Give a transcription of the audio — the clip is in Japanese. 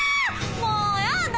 もうやだ！